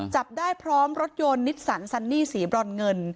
จับได้พร้อมรถยนต์นิสสันซันนี่สีบรอนเงิน